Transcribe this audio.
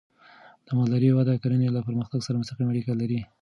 د مالدارۍ وده د کرنې له پرمختګ سره مستقیمه اړیکه لري.